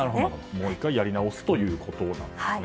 もう１回やり直すということなんですね。